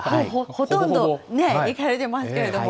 ほとんどね、行かれてますけれども。